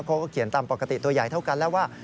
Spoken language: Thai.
เขาก็เขียนตามปกติตัวใหญ่เท่ากันแล้วว่า